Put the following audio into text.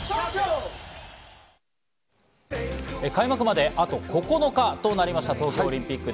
開幕まであと９日となりました、東京オリンピック。